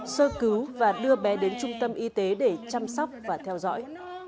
sơ cứu và đưa bé đến trung tâm y tế để chăm sóc và theo dõi